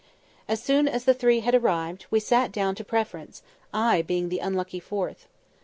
As soon as three had arrived, we sat down to "Preference," I being the unlucky fourth.